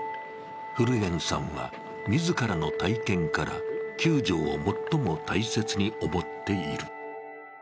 古堅さんは、自らの体験から９条を最も大切に思っている。